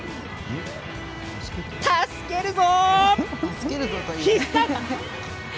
助けるぞ！